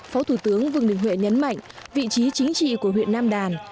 phó thủ tướng vương đình huệ nhấn mạnh vị trí chính trị của huyện nam đàn